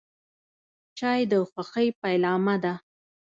چای د خوښۍ پیلامه ده.